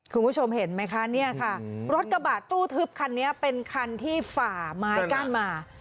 คุณผู้ชมเห็นไหมคะเนี่ยค่ะรถกระบะตู้ทึบคันนี้เป็นคันที่ฝ่าไม้กั้นมา